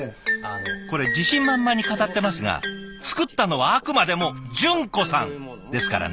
これ自信満々に語ってますが作ったのはあくまでも淳子さんですからね。